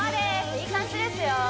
いい感じですよ